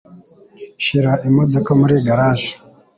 Shira imodoka muri garage.